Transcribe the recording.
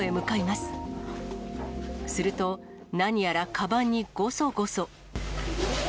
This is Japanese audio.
すると、何やらかばんにごそごそ。